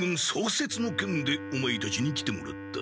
せつのけんでオマエたちに来てもらった。